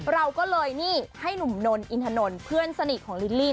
เราก็เลยนี่ให้หนุ่มนนอินถนนเพื่อนสนิทของลิลลี่